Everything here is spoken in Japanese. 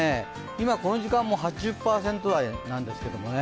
今この時間も８０％台なんですけどね。